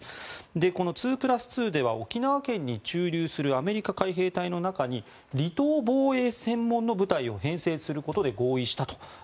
この２プラス２では沖縄県に駐留するアメリカ海兵隊の中に離島防衛専門の部隊を編成することで合意したと。